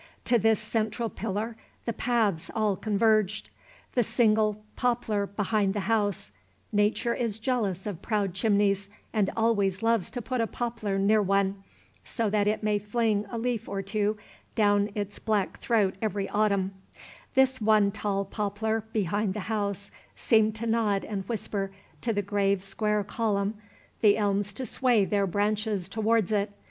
To this central pillar the paths all converged. The single poplar behind the house, Nature is jealous of proud chimneys, and always loves to put a poplar near one, so that it may fling a leaf or two down its black throat every autumn, the one tall poplar behind the house seemed to nod and whisper to the grave square column, the elms to sway their branches towards it.